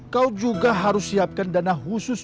kau juga harus siapkan dana khusus